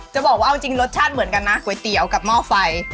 จะบอกว่าเอาจริงรสชาติเหมือนกันนะก๋วยเตี๋ยวกับหม้อไฟ